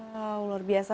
wow luar biasa